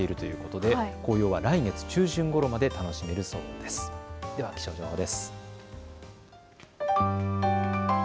では気象情報です。